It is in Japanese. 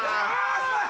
すごい！